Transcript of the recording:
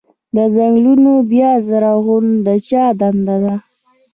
د ځنګلونو بیا رغونه د چا دنده ده؟